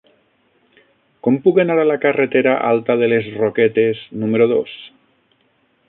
Com puc anar a la carretera Alta de les Roquetes número dos?